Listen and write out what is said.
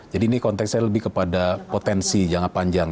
jadi ini konteksnya lebih kepada potensi jangka panjang